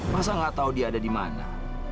masa nggak tahu dia ada di mana